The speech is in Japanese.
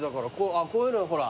あっこういうのほら。